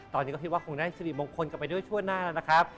ตอนนี้ก็คิดว่าคงได้สิริมงคลกันไปด้วยชั่วหน้าแล้วนะครับ